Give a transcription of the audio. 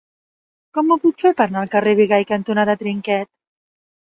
Com ho puc fer per anar al carrer Bigai cantonada Trinquet?